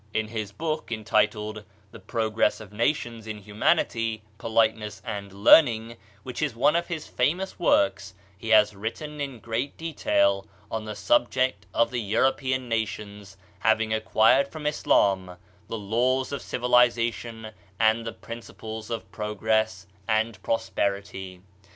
In his book entitled The Progress of Nations in Humanity, Politeness and Learning, which is one of his famous works, he has written in great detail on the subject of the European nations having acquired from Islam the laws of civiliza tion and the principles of progress and prosperity.